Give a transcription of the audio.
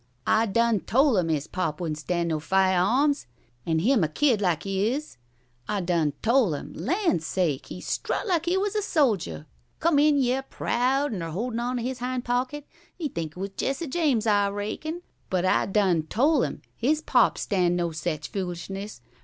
"I done tol' 'im his pop wouldn' stand no fiah awms, an' him a kid like he is. I done tol' 'im. Lan' sake! he strut like he was a soldier! Come in yere proud, an' er holdin' on to his hind pocket. He think he was Jesse James, I raikon. But I done tol' 'im his pop stan' no sech foolishness.